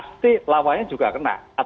jadi itu adalah hal yang harus dipercayai